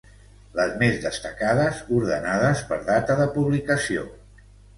Les més destacades ordenades per data de publicació.